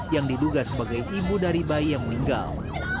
yang diduga sebagai ibu dari bayi yang meninggal